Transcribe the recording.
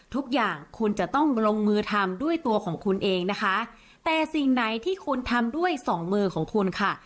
ทุกอย่างคุณจะต้องลงมือทำด้วยตัวของคุณเองนะคะแต่สิ่งไหนที่คุณทำด้วยสองมือของคุณค่ะ